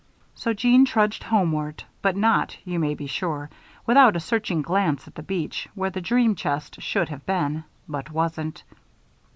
So Jeanne trudged homeward, but not, you may be sure, without a searching glance at the beach, where the dream chest should have been but wasn't.